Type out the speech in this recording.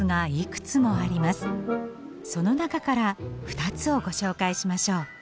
その中から２つをご紹介しましょう。